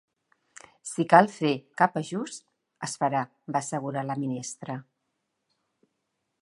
“Si cal fer cap ajust, es farà”, va assegurar la ministra.